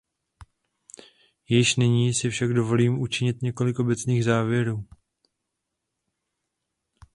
Již nyní si však dovolím učinit několik obecných závěrů.